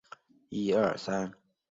艾夏是德国巴伐利亚州的一个市镇。